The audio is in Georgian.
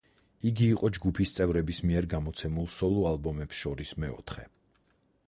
იგი იყო ჯგუფის წევრების მიერ გამოცემულ სოლო-ალბომებს შორის მეოთხე.